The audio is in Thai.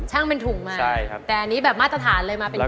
ช่างเป็นถุงมาแต่อันนี้แบบมาตรฐานเลยมาเป็นกล่อง